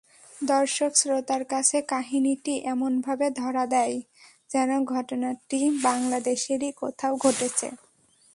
দর্শক-শ্রোতার কাছে কাহিনিটি এমনভাবে ধরা দেয়, যেন ঘটনাটি বাংলাদেশেরই কোথাও ঘটেছে।